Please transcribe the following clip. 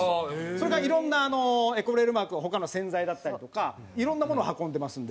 それがいろんなエコレールマークは他の洗剤だったりとかいろんなものを運んでますんで。